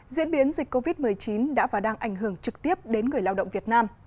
diễn biến dịch covid một mươi chín đã và đang ảnh hưởng trực tiếp đến người lao động việt nam